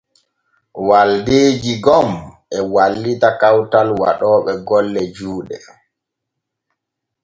Waldeeji gom e wallita kawtal waɗooɓe golle juuɗe.